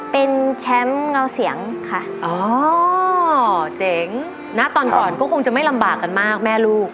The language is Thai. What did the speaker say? เป็นแชมป์เงาเสียงค่ะอ๋อเจ๋งนะตอนก่อนก็คงจะไม่ลำบากกันมากแม่ลูก